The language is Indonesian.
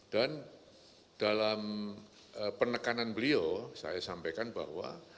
dan dalam penekanan beliau saya sampaikan bahwa